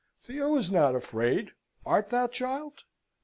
Theo is not afraid: art thou, child?"